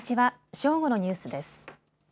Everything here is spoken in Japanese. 正午のニュースです。